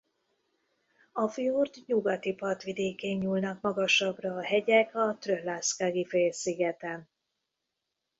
A fjord nyugati partvidékén nyúlnak magasabbra a hegyek a Tröllaskagi-félszigeten.